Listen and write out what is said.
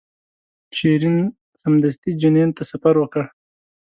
شیرین سمدستي جنین ته سفر وکړ.